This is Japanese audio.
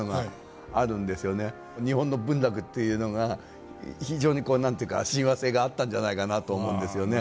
日本の文楽というのが非常にこう何ていうか親和性があったんじゃないかなと思うんですよね。